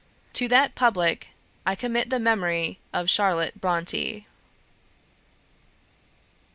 To that Public I commit the memory of Charlotte Brontë.